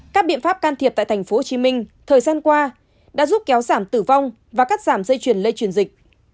các biện pháp can thiệp tại tp hcm thời gian qua đã giúp kéo giảm tử vong và cắt giảm dây chuyển lây truyền dịch